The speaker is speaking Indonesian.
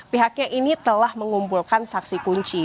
pihaknya ini telah mengumpulkan saksi kunci